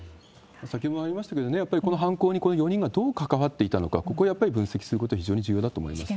先ほどもありましたけどね、この犯行にこの４人がどう関わっていたのか、ここをやっぱり分析することが非常に重要だと思いますね。